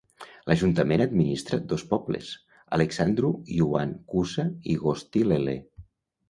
L'ajuntament administra dos pobles: Alexandru Ioan Cuza i Gostilele.